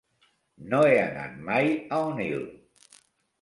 No he anat mai a Onil.